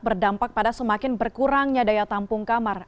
berdampak pada semakin berkurangnya daya tampung kamar